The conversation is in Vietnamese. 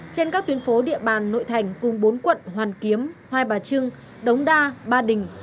trên các tuyến phố địa bàn nội thành cùng bốn quận hoàn kiếm hai bà trưng đống đa ba đình